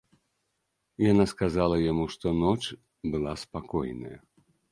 Яна сказала яму, што ноч была спакойная.